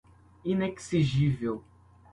inexigível